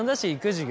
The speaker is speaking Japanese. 授業。